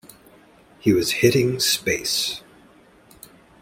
He was hitting space.